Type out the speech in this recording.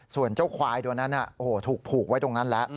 ส่วนเจ้าควายตัวนั้นถูกผูกไว้ตรงนั้นแล้ว